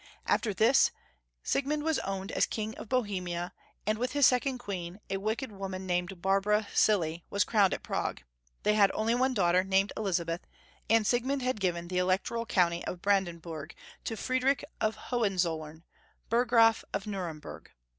After this, Siegmnnd was owned as King of Bo hemia, and with his second queen, a wicked woman named Barbara Cilly, was crowned at Prague. They had only one daughter named Elizabeth, and Siegmund had given the electoral county of Bran denburg to Friedrich of HohenzoUern, Burgraf of Nuremburg.